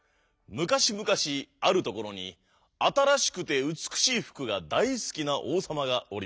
むかしむかしあるところにあたらしくてうつくしいふくがだいすきなおうさまがおりました。